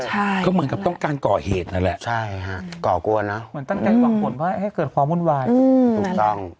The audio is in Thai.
ใช่ก็เหมือนกับต้องการก่อเหตุนั่นแหละใช่ฮะก่อกลัวนะเหมือนตั้งใจหวังผลว่าให้เกิดความวุ่นวายถูกต้อง